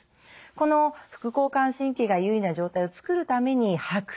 この副交感神経が優位な状態を作るために吐く。